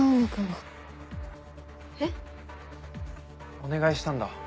お願いしたんだ